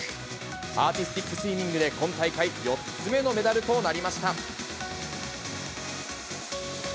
アーティスティックスイミングで、今大会４つ目のメダルとなりました。